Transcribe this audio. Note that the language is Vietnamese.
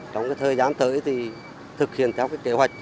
trong thời gian tới thực hiện theo kế hoạch